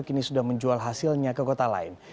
kini sudah menjual hasilnya ke kota lain